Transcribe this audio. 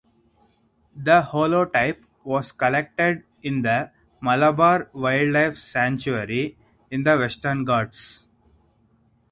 The holotype was collected in the Malabar Wildlife Sanctuary in the Western Ghats.